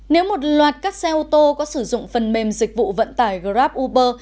nếu một loạt các xe ô tô có sử dụng phần mềm dịch vụ vận tải grab uber